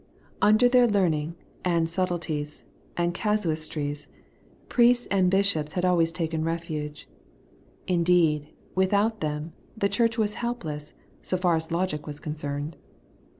Under their learning, and subtleties, and casuistries, priests and bishops had always taken refuge. Indeed, without them, the Church was helpless, so far as logic was concerned.